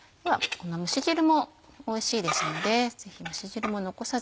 この蒸し汁もおいしいですのでぜひ蒸し汁も残さず。